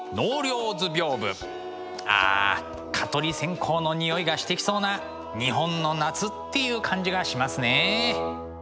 ああ蚊取り線香の匂いがしてきそうな日本の夏っていう感じがしますね。